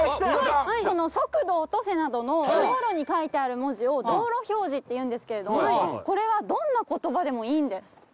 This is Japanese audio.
この速度落とせなどの道路に書いてある文字を道路標示っていうんですけれどもこれはどんな言葉でもいいんです。